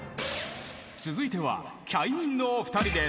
続いてはキャインのお二人です。